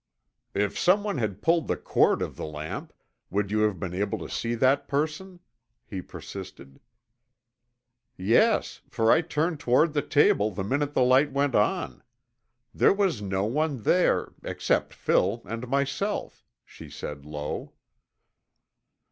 "If someone had pulled the cord of the lamp would you have been able to see that person?" he persisted. "Yes, for I turned toward the table the minute the light went on. There was no one there except Phil and myself," she said low.